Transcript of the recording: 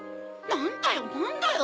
なんだよなんだよ！